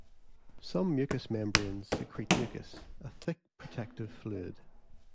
Some mucous membranes secrete mucus, a thick protective fluid.